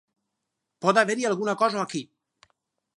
Pot haver-hi alguna cosa aquí.